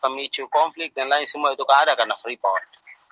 pemicu konflik dan lain semua itu keadaan freeport